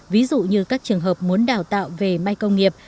ví dụ như các trường hợp muốn đào tạo về may công nghiệp